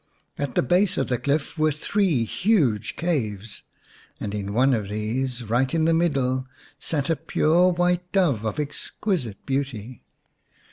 At the base of the cliff were three huge caves, and in one of these, right in the middle, sat a pure white dove of exquisite beauty.